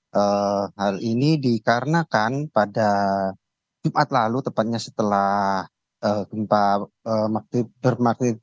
helm hal ini dikarenakan pada jumat lalu tepatnya setelah gempaitive bermaksud